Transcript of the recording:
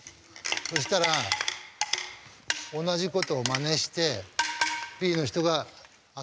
そしたら同じことをまねしてＢの人が後でやるの。